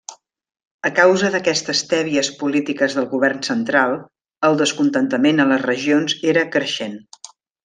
A causa d'aquestes tèbies polítiques del govern central, el descontentament a les regions era creixent.